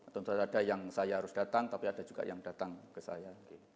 tentu saja yang saya harus datang tapi ada juga yang datang ke saya